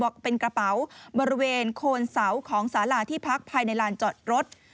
เป็นกระเป๋าบริเวณโคนเสาของสาราที่พักภายในลานจอดรถ